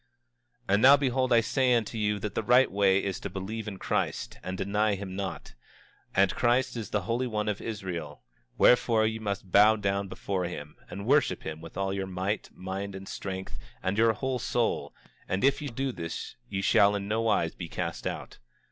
25:29 And now behold, I say unto you that the right way is to believe in Christ, and deny him not; and Christ is the Holy One of Israel; wherefore ye must bow down before him, and worship him with all your might, mind, and strength, and your whole soul; and if ye do this ye shall in nowise be cast out.